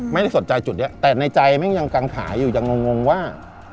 ไม่ได้สนใจจุดนี้แต่ในใจแม่งยังกังขาอยู่ยังงงว่า